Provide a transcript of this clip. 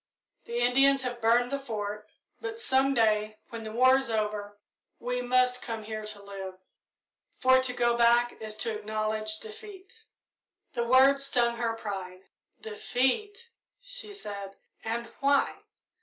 The Indians have burned the Fort, but some day, when the war is over, we must come here to live, for to go back is to acknowledge defeat." The word stung her pride. "Defeat!" she said; "and why?